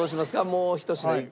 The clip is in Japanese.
もうひと品。